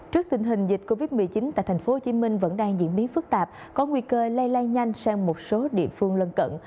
trước tình hình dịch covid một mươi chín tại tp hcm vẫn đang diễn biến phức tạp có nguy cơ lây lan nhanh sang một số địa phương lân cận